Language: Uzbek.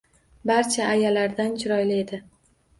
Barcha ayalardan chiroyli edi.